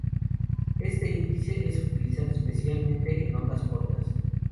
Este índice es utilizado especialmente en ondas cortas.